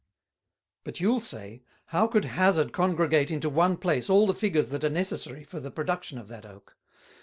"But you'll say, how could Hazard congregate into one place all the Figures that are necessary for the production of that Oak?